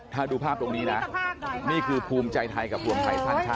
ถ้าดูภาพตรงนี้นะนี่คือภูมิใจไทยกับรวมไทยสร้างชาติ